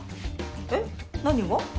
えっ何が？